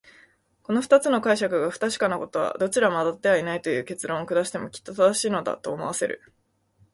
この二つの解釈が不確かなことは、どちらもあたってはいないという結論を下してもきっと正しいのだ、と思わせる。